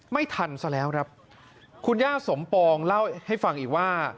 ไม่ทันซะแล้วครับคุณย่าสมปองเล่าให้ฟังอีกว่า